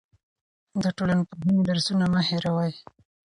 د ټولنپوهنې درسونه مه هېروئ.